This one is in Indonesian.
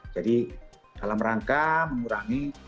jadi dalam rangka mengurangi